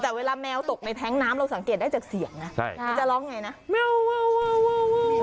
แต่เวลาแมวตกในแท้งน้ำเราสังเกตได้จากเสียงนะมันจะร้องไงนะ